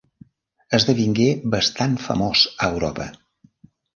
Esdevingué bastant famós a Europa.